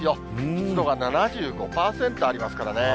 湿度が７５％ありますから。